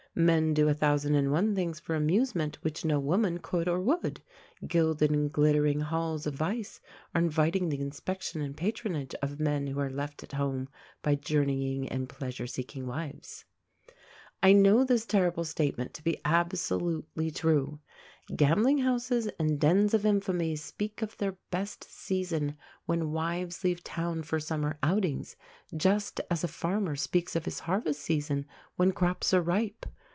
Men do a thousand and one things for amusement which no woman could or would. Gilded and glittering halls of vice are inviting the inspection and patronage of men who are left at home by journeying and pleasure seeking wives. I know this terrible statement to be absolutely true _gambling houses and dens of infamy speak of their "best season" when wives leave town for summer outings, just as a farmer speaks of his harvest season when crops are ripe.